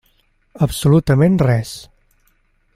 Absolutament res.